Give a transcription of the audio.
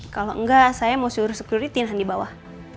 kalau enggak saya mau suruh sekuritinan di bawah